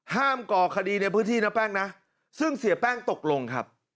ก่อคดีในพื้นที่นะแป้งนะซึ่งเสียแป้งตกลงครับ